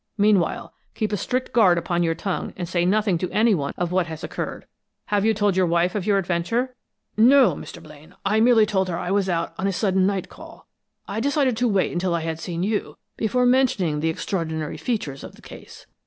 Meanwhile, keep a strict guard upon your tongue, and say nothing to anyone of what has occurred. Have you told your wife of your adventure?" "No, Mr. Blaine; I merely told her I was out on a sudden night call. I decided to wait until I had seen you before mentioning the extraordinary features of the case."